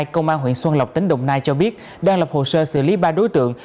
công an huyện xuân lộc tỉnh đồng nai cho biết đang lập hồ sơ xử lý ba đối tượng